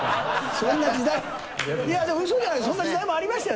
そんな時代もありましたよ。